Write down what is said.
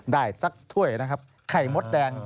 ได้สักถ้วยนะครับไข่มดแดง